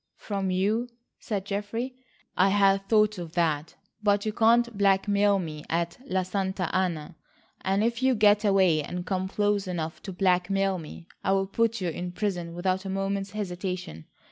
"From you?" said Geoffrey. "I had thought of that, but you can't blackmail me at La Santa Anna, and if you get away and come close enough to blackmail me, I'll put you in prison without a moment's hesitation.